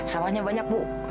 sawahnya banyak bu